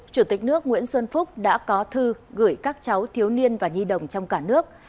chủ tịch nước nguyễn xuân phúc đã có thư gửi các cháu thiếu niên và nhi đồng trong cả nước